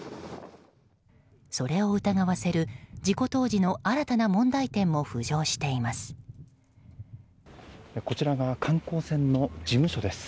それを疑わせる事故当時の新たな問題点も浮上しています。